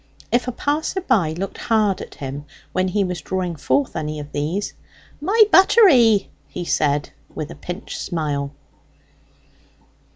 If a passer by looked hard at him when he was drawing forth any of these, "My buttery," he said, with a pinched smile.